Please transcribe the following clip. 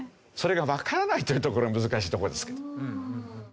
それがわからないというところが難しいところですけど。